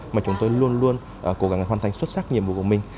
mà chúng tôi luôn luôn cố gắng hoàn thành xuất sắc nhiệm vụ của mình